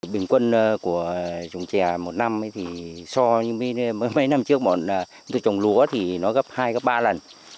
bình quân của trồng chè một năm thì so với mấy năm trước bọn tôi trồng lúa thì nó gấp hai gấp ba lần